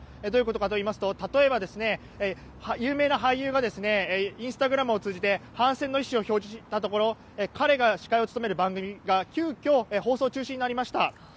どういうことかといいますと例えば、有名な俳優がインスタグラムを通じて反戦の意思を示したところ彼が司会を務める番組が急きょ、放送中止になりました。